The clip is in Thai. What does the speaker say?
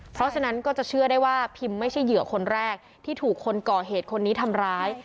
เพราะฉะนั้นก็จะเชื่อได้ว่าพิมไม่ใช่เหยื่อคนแรกที่ถูกคนก่อเหตุคนนี้ทำร้าย